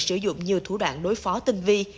sử dụng nhiều thủ đoạn đối phó tinh vi